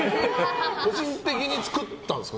個人的に作ったんですか。